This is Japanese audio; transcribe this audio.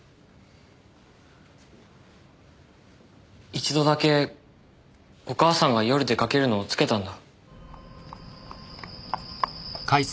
一度だけお母さんが夜出かけるのをつけたんだ。